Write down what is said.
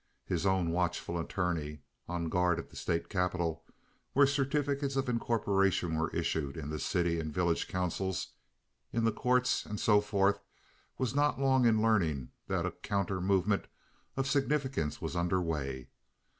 His own watchful attorney, on guard at the state capitol, where certificates of incorporation were issued in the city and village councils, in the courts and so forth, was not long in learning that a counter movement of significance was under way.